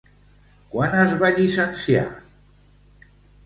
Quan es va llicenciar?